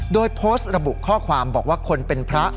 โดยโพสต์ระบุข้อความบอกว่าคนเป็นพระ